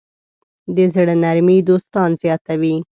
د زړۀ نرمي دوستان زیاتوي.